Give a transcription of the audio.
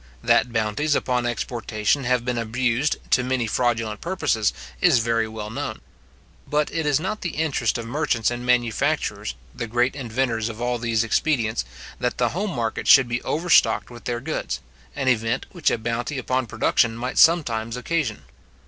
That bounties upon exportation have been abused, to many fraudulent purposes, is very well known. But it is not the interest of merchants and manufacturers, the great inventors of all these expedients, that the home market should be overstocked with their goods; an event which a bounty upon production might sometimes occasion.